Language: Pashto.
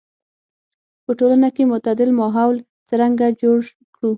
په ټولنه کې معتدل ماحول څرنګه جوړ کړو.